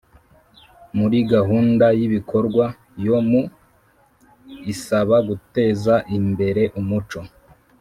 muri gahunda y'ibikorwa yo mu isaba guteza imbere umuco